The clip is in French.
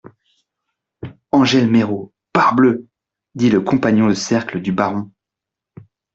Angèle Méraud, parbleu ! dit le compagnon de cercle du baron.